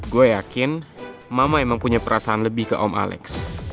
gue yakin mama emang punya perasaan lebih ke om alex